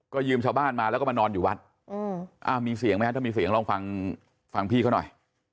ก็ยืมชาวบ้านมาแล้วก็มานอนอยู่วัดมีเสียงไหมฮะถ้ามีเสียงลองฟังพี่เขาหน่อย